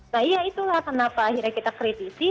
nah iya itulah kenapa akhirnya kita kritisi